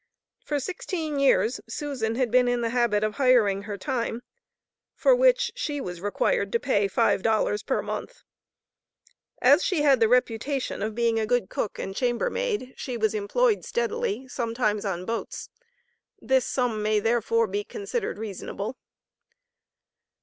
For sixteen years, Susan had been in the habit of hiring her time, for which she was required to pay five dollars per month. As she had the reputation of being a good cook and chambermaid, she was employed steadily, sometimes on boats. This sum may therefore be considered reasonable.